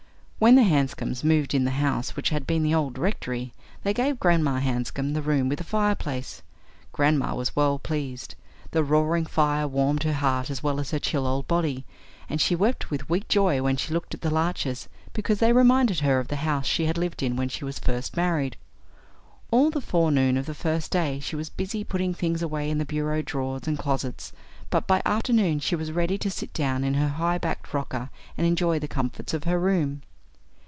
When the Hanscoms moved in the house which had been the old rectory, they gave Grandma Hanscom the room with the fireplace. Grandma was well pleased. The roaring fire warmed her heart as well as her chill old body, and she wept with weak joy when she looked at the larches, because they reminded her of the house she had lived in when she was first married. All the forenoon of the first day she was busy putting things away in bureau drawers and closets, but by afternoon she was ready to sit down in her high backed rocker and enjoy the comforts of her room.